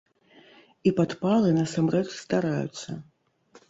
І падпалы насамрэч здараюцца.